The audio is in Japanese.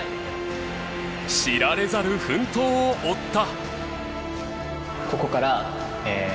知られざる奮闘を追った。